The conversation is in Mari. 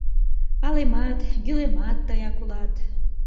Алэмат, гӱлэмат тыяк улат.